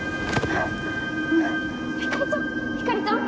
ひかりちゃんひかりちゃん？